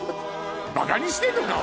バカにしてんのか！